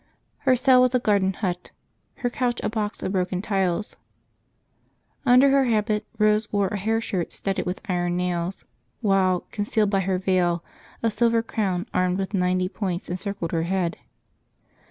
Her cell was a garden hut, her couch a box of broken tiles. Under her habit Rose wore a hair shirt studded with iron nails, while, concealed by her veil, a silver crown armed with ninety points encircled her head.